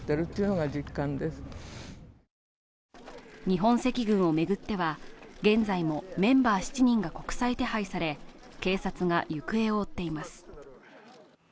日本赤軍を巡っては現在もメンバー７人が国際手配され、警察が行方を追っています。